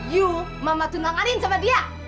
yuk mama tunanganin sama dia